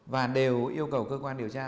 và đều yêu cầu cơ quan điều tra